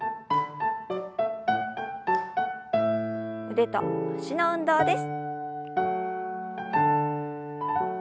腕と脚の運動です。